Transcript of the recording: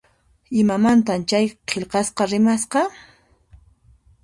Imamantan chay qillqasqa rimasqa?